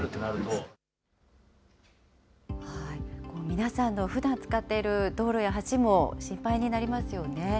皆さんのふだん使っている道路や橋も心配になりますよね。